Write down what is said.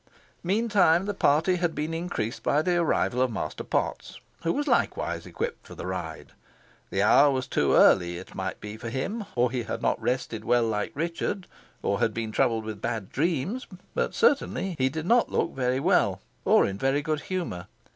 Meantime, the party had been increased by the arrival of Master Potts, who was likewise equipped for the ride. The hour was too early, it might be, for him, or he had not rested well like Richard, or had been troubled with bad dreams, but certainly he did not look very well, or in very good humour.